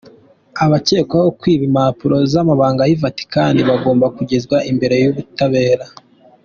Abakekwaho kwiba impapuro z’amabanga y’i Vatikani bagomba kugezwa imbere y’ubutabera